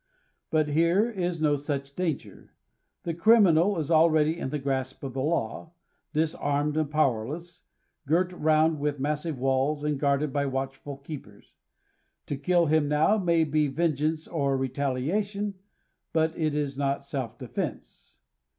But here is no such danger. The criminal is already in the grasp of the law, disarmed and powerless, girt round with massive walls, and guarded by watchful keepers. To kill him now may be vengeance or retaliation, but it is not self defense.